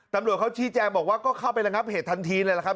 ตำรวจเขาชี้แจงบอกว่าก็เข้าไประงับเหตุทันทีเลยล่ะครับ